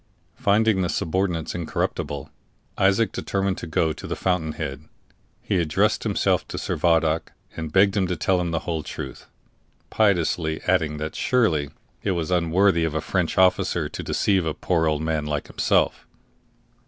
Finding the subordinates incorruptible, Isaac determined to go to the fountain head. He addressed himself to Servadac, and begged him to tell him the whole truth, piteously adding that surely it was unworthy of a French officer to deceive a poor old man like himself.